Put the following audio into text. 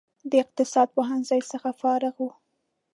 د اقتصاد پوهنځي څخه فارغ و.